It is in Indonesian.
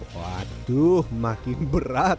waduh semakin berat